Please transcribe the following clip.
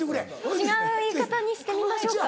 違う言い方にしてみましょうか？